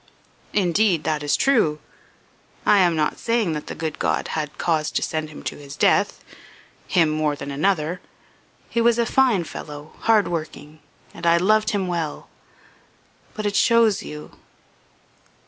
"Indeed that is true. I am not saying that the good God had cause to send him to his death him more than another. He was a fine fellow, hard working, and I loved him well. But it shows you